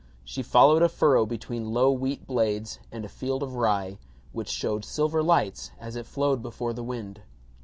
She followed a furrow between low wheat blades and a field of rye which showed silver lights as it flowed before the wind.